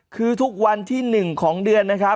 คือทุกวันที่๑ของเดือน